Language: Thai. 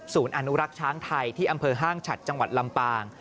อนุรักษ์ช้างไทยที่อำเภอห้างฉัดจังหวัดลำปาง